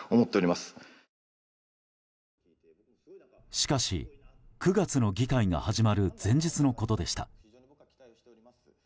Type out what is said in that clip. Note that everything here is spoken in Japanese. しかし、９月の議会が始まる前日のことでした。